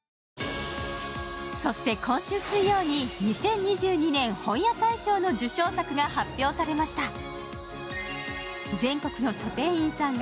そして今週水曜に２０２２年の本屋大賞の受賞作が発表されました。